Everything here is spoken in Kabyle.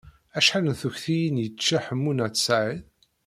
Acḥal n tkukiyin i yečča Ḥemmu n At Sɛid?